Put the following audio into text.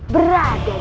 berada di tangan kita